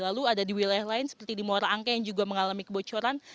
lalu ada di wilayah lain seperti di muara angke yang juga mengalami kebocoran